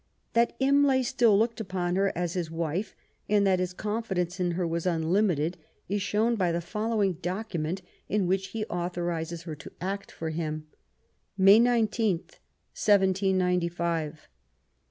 That Imlay still looked upon her as his wife, and that his confidence in her was unlimited^ is shown by the following document in which he authorizes her to act for him :— May 19, 1796.